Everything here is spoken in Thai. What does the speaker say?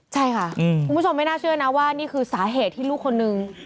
ใช่ค่ะคุณผู้ชมไม่น่าเชื่อนะว่านี่คือสาเหตุที่ลูกคนนึง